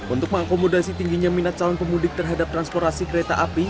untuk mengakomodasi tingginya minat calon pemudik terhadap transportasi kereta api